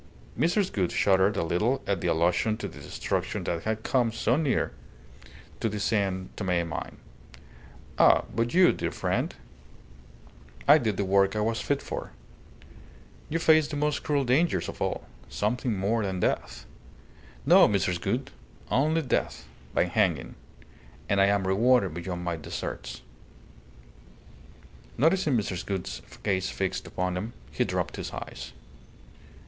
Mrs. Gould shuddered a little at the allusion to the destruction that had come so near to the San Tome mine. "Ah, but you, dear friend?" "I did the work I was fit for." "You faced the most cruel dangers of all. Something more than death." "No, Mrs. Gould! Only death by hanging. And I am rewarded beyond my deserts." Noticing Mrs. Gould's gaze fixed upon him, he dropped his eyes.